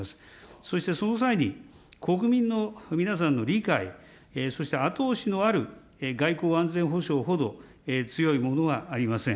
そしてその際に、国民の皆さんの理解、そして後押しのある外交・安全保障ほど強いものはありません。